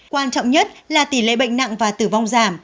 quan trọng nhất là tỷ lệ bệnh nặng và tử vong giảm